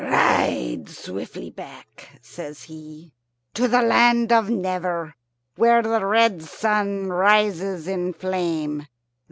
"Ride swiftly back," says he, "to the land of Never, where the red sun rises in flame.